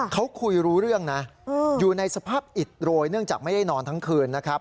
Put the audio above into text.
เขาคุยรู้เรื่องนะอยู่ในสภาพอิดโรยเนื่องจากไม่ได้นอนทั้งคืนนะครับ